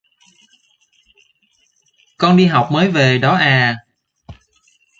con đi học mới về đó à